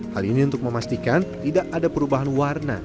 hal ini untuk memastikan tidak ada perubahan warna